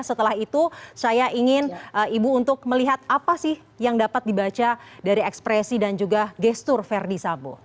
setelah itu saya ingin ibu untuk melihat apa sih yang dapat dibaca dari ekspresi dan juga gestur verdi sambo